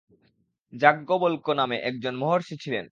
যাজ্ঞবল্ক্য নামে একজন মহর্ষি ছিলেন।